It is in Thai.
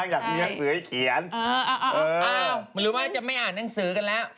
อ้าวมึงรู้ว่าจะไม่อ่านหนังสือกันแล้ว